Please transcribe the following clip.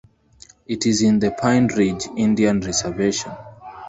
It is in the Pine Ridge Indian Reservation.